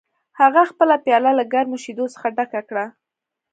هغه خپله پیاله له ګرمو شیدو څخه ډکه کړه